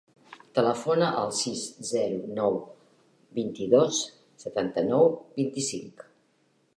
Telefona al sis, zero, nou, vint-i-dos, setanta-nou, vint-i-cinc.